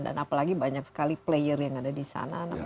dan apalagi banyak sekali player yang ada di sana